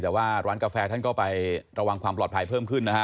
แต่ว่าร้านกาแฟท่านก็ไประวังความปลอดภัยเพิ่มขึ้นนะฮะ